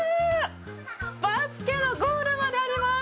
バスケのゴールまであります！